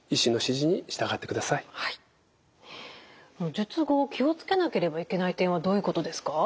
術後気を付けなければいけない点はどういうことですか？